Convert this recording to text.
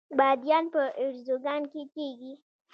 بادیان په ارزګان کې کیږي